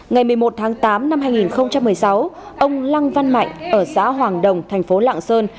ngày một mươi một tháng tám năm hai nghìn một mươi sáu ông lăng văn mạnh ở xã hoàng đồng thành phố lạng sơn